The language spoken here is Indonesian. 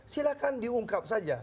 silakan diungkap saja